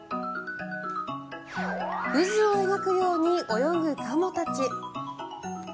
渦をまくように泳ぐカモたち。